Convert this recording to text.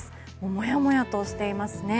もやもやとしていますね。